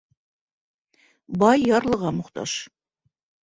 Бай ярлыға мохтаж